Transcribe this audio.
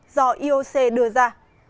do ioc đưa ra